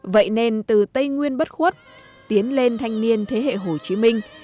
vậy nên từ tây nguyên bất khuất tiến lên thanh niên thế hệ hồ chí minh